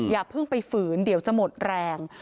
อย่าเพิ่งไปฝืนเดี๋ยวจะหมดแรง